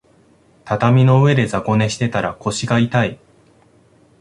畳の上で雑魚寝してたら腰が痛い